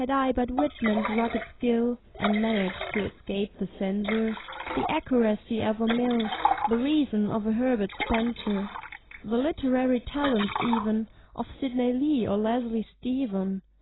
Had I but Whitman's rugged skill, (And managed to escape the Censor), The Accuracy of a Mill, The Reason of a Herbert Spencer, The literary talents even Of Sidney Lee or Leslie Stephen.